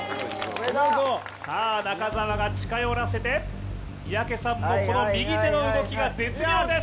中澤が近寄らせて、三宅さんも右手の動きが抜群です。